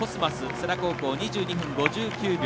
世羅高校、２２分５９秒。